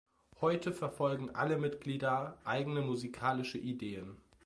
Heute verfolgen alle Mitglieder eigene musikalische Ideen.